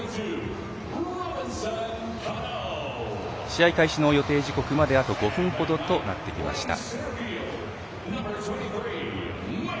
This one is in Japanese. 試合開始の予定時刻まであと５分ほどとなってきました。